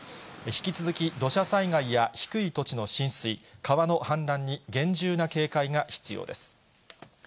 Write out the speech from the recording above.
引き続き土砂災害や低い土地の浸水、川の氾濫に厳重な警戒が必要です。